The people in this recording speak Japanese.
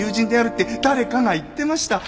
って誰かが言ってました！